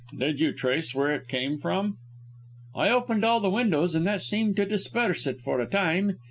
"Did you trace where it came from?" "I opened all the windows, and that seemed to disperse it for a time.